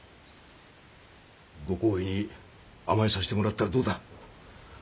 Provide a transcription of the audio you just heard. ご厚意に甘えさせてもらったらどうだ。